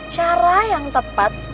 cara yang tepat